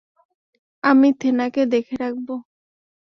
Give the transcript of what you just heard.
আমি থেনাকে দেখে রাখব।